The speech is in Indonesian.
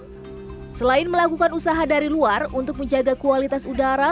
selain melakukan usaha dari luar untuk menjaga kualitas udara